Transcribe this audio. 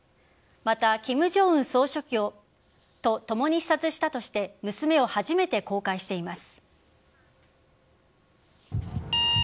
また金正恩総書記と共に視察したとして娘を初めて公開しています。